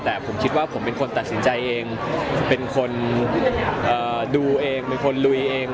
แต่ผมคิดว่าผมเป็นคนตัดสินใจเองเป็นคนดูเองเป็นคนลุยเอง